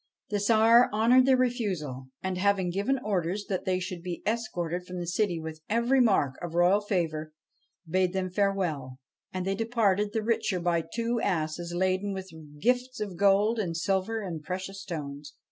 The Tsar honoured their refusal, and, having given orders that they should be escorted from the city with every mark of royal favour, bade them farewell ; and they departed the richer by two asses laden with gifts of gold and silver and precious stones.